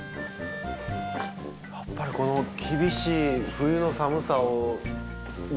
やっぱりこの厳しい冬の寒さをね